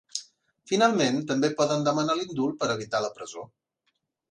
Finalment també poden demanar l’indult per evitar la presó.